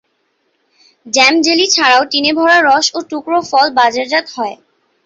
Jam, jelly ছাড়াও টিনে ভরা রস ও টুকরা ফল বাজারজাত হয়।